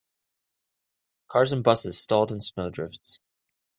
Cars and busses stalled in snow drifts.